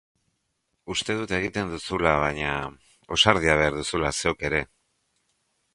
Uste dut egiten duzula, baina... ausardia behar duzula zeuk ere.